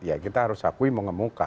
ya kita harus akui mengemuka